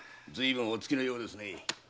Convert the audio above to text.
ずいぶんおつきのようですね。